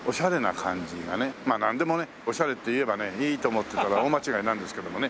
なんでもねおしゃれって言えばねいいと思ってたら大間違いなんですけどもね。